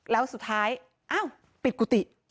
แล้วสุดท้ายอ้าวปิดกุฏิ